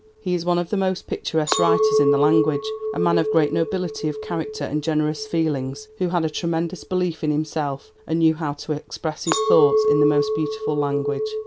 He is one of the most picturesque writers in the language, a man of great nobility of character and generous feelings, who had a tremendous belief in himself and knew how to express his thoughts in the most beautiful language.